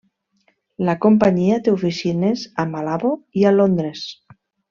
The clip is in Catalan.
La companyia té oficines a Malabo i a Londres.